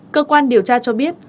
cơ quan điều tra cho biết